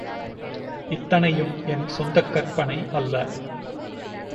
இத்தனையும் என் சொந்தக் கற்பனை அல்ல.